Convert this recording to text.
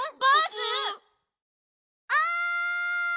おい！